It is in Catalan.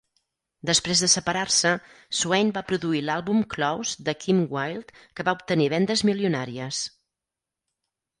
Després de separar-se, Swain va produir l'àlbum "Close" de Kim Wilde, que va obtenir vendes milionàries.